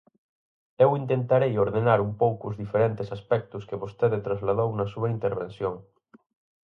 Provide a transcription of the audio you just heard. Eu intentarei ordenar un pouco os diferentes aspectos que vostede trasladou na súa intervención.